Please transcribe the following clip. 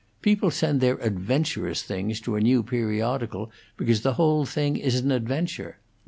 People send their adventurous things to a new periodical because the whole thing is an adventure.